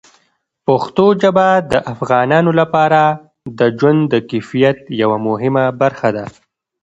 پښتو ژبه د افغانانو لپاره د ژوند د کیفیت یوه مهمه برخه ده.